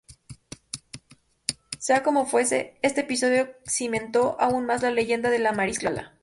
Sea como fuese, este episodio cimentó aún más la leyenda de La Mariscala.